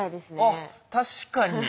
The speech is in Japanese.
あっ確かに。